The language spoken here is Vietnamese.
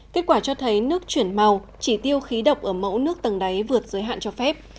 kết quả cho thấy nước chuyển màu chỉ tiêu khí độc ở mẫu nước tầng đáy vượt giới hạn cho phép